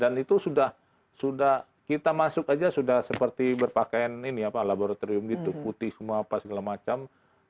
dan itu sudah kita masuk aja sudah seperti berpakaian ini apa laboratorium gitu putih semua apa segala macam